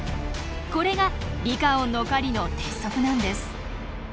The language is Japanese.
これがリカオンの狩りの鉄則なんです。